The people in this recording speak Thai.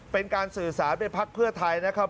เป็นการสื่อสารไปพักเพื่อไทยนะครับ